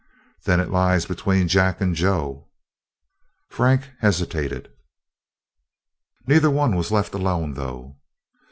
"Then it lies between Jack and Joe?" Frank hesitated. "Neither one was left alone, though."